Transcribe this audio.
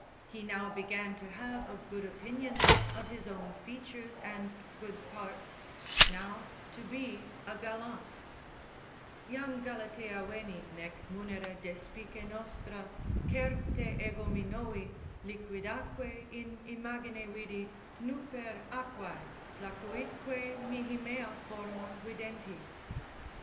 He now began to have a good opinion of his own features and good parts, now to be a gallant. Jam Galatea veni, nec munera despice nostra, Certe ego me novi, liquidaque in imagine vidi Nuper aquae, placuitque mihi mea forma videnti.